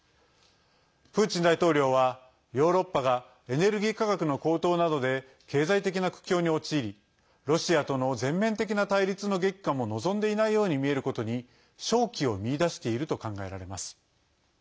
プーチン大統領はヨーロッパがエネルギー価格の高騰などで経済的な苦境に陥りロシアとの全面的な対立の激化も望んでいないように見えることに勝機を見いだしていると考えられます。